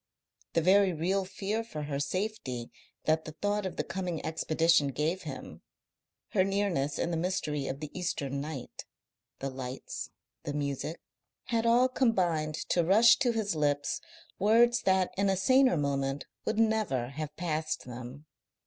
The very real fear for her safety that the thought of the coming expedition gave him, her nearness in the mystery of the Eastern night, the lights, the music, had all combined to rush to his lips words that in a saner moment would never have passed them.